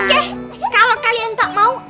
oke kalau kalian tak mau